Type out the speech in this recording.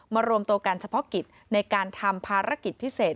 รวมตัวกันเฉพาะกิจในการทำภารกิจพิเศษ